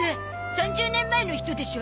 ３０年前の人でしょ？